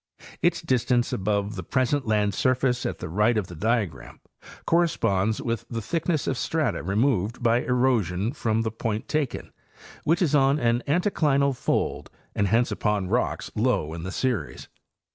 Its distance above the present land surface at the right of the diagram corresponds with the thick ness of strata removed by erosion from the point taken, which is on an anticlinal fold and hence upon rocks low in the series.